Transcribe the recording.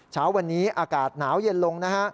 เช้าวันนี้อากาศหนาวเย็นลงนะฮะ